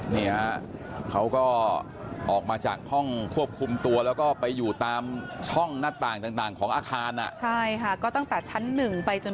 นี่ฮะเขาก็ออกมาจากห้องควบคุมตัวแล้วก็ไปอยู่ตามช่องหน้าต่างต่างของอาคารอ่ะใช่ค่ะก็ตั้งแต่ชั้นหนึ่งไปจน